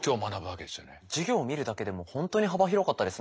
授業を見るだけでも本当に幅広かったですね。